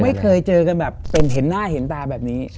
ไม่เคยเจอกันแบบเป็นเห็นหน้าเห็นตาแบบนี้